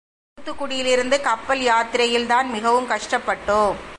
தூத்துக்குடியிலிருந்து கப்பல் யாத்திரையில்தான் மிகவும் கஷ்டப்பட்டோம்.